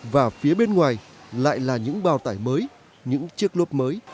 và phía bên ngoài lại là những bào tải mới những chiếc lốt mới